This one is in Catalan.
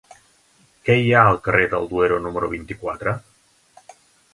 Què hi ha al carrer del Duero número vint-i-quatre?